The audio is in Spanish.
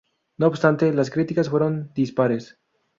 No obstante las críticas fueron dispares.